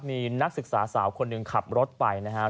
มีนักศึกษาสาวคนหนึ่งขับรถไปนะครับ